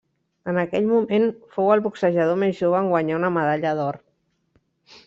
En aquell moment fou el boxejador més jove en guanyar una medalla d'or.